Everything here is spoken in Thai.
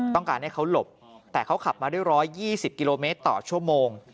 ต้องการให้เขาหลบแต่เขาขับมาด้วย๑๒๐กิโลเมตรต่อชั่วโมง